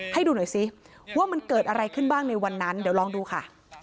ให้ดูหน่อยซิว่ามันเกิดอะไรขึ้นบ้างในวันนั้นเดี๋ยวลองดูค่ะ